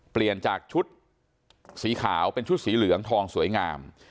เปลี่ยนจากชุดสีขาวเป็นชุดสีเหลืองทองสวยงาม